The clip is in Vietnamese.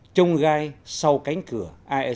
trông gai sau cánh cửa